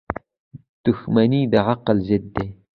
• دښمني د عقل ضد ده.